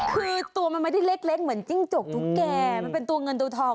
คือตัวมันไม่ได้เล็กเหมือนจิ้งจกตุ๊กแก่มันเป็นตัวเงินตัวทอง